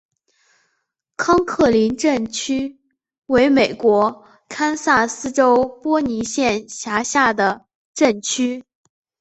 康克林镇区为美国堪萨斯州波尼县辖下的镇区。